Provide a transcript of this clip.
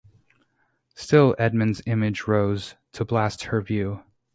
Still Edmund's image rose, to blast her view.